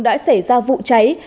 đã xảy ra vụ cháy